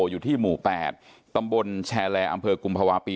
อยู่ที่หมู่๘ตำบลแชร์แลอำเภอกุมภาวะปี